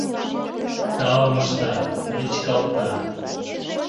Таум ышта, вӱчкалта.